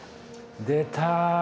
出た。